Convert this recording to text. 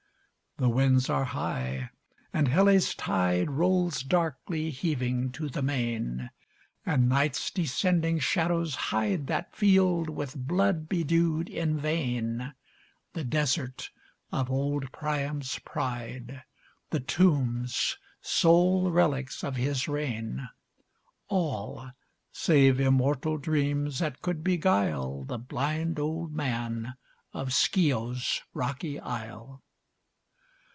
The winds are high, and Helle's tide Rolls darkly heaving to the main; And Night's descending shadows hide That field with blood bedewed in vain, The desert of old Priam's pride, The tombs, sole relics of his reign, All save immortal dreams that could beguile The blind old man of Scio's rocky isle!